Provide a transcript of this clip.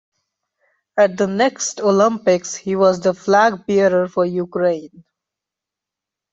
At the next Olympics he was the flag bearer for Ukraine.